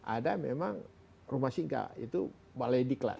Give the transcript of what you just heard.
ada memang rumah singgah itu malai dikelat